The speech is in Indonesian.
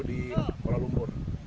di kuala lumpur